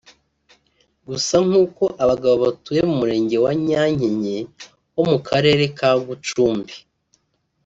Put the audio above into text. Gusa nkuko abagabo batuye mu murenge wa Nyankenye ho mu karere ka Gucumbi